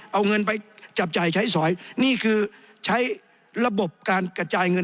เอาเงินไปจับจ่ายใช้สอยนี่คือใช้ระบบการกระจายเงิน